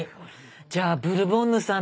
じゃあブルボンヌさん